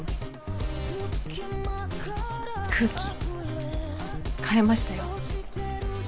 空気変えましたよ。